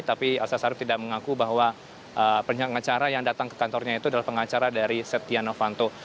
tapi elsa syarif tidak mengaku bahwa pengacara yang datang ke kantornya itu adalah pengacara dari setia novanto